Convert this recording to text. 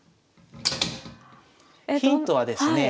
ヒントはですねえ